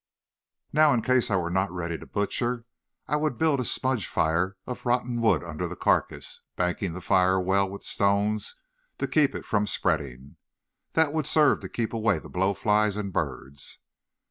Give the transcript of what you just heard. "Now, in case I were not ready to butcher, I would build a smudge fire of rotten wood under the carcass, banking the fire well with stones to keep it from spreading. That would serve to keep away the blowflies and birds."